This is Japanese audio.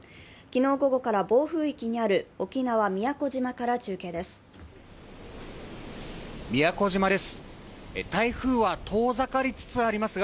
昨日午後から暴風域にある沖縄・宮古島から中継です。